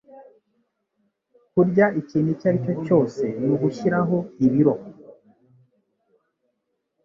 kurya ikintu icyo aricyo cyose ni ugushyiraho ibiro.